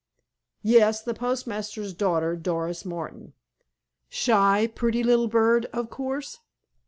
"Yes, the postmaster's daughter, Doris Martin." "Shy, pretty little bird, of course?"